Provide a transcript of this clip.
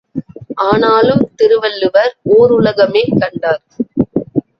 ஆனாலும், திருவள்ளுவர் ஓருலகமே கண்டார்!